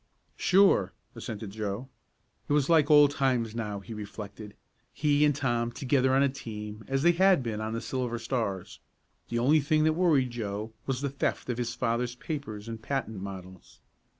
"Sure," assented Joe. It was like old times now, he reflected, he and Tom together on a team as they had been on the Silver Stars. The only thing that worried Joe was the theft of his father's papers and patent models.